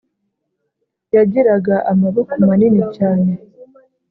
yagiraga amaboko manini cyane,